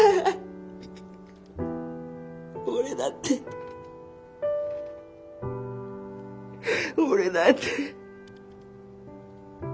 俺だって俺だって。